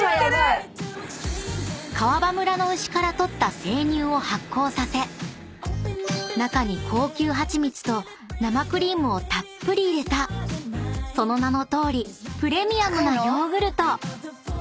［川場村の牛から取った生乳を発酵させ中に高級蜂蜜と生クリームをたっぷり入れたその名のとおりプレミアムなヨーグルト］